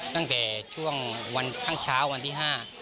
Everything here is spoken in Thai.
ตั้งแต่ช่วงวันข้างเช้าวันที่๕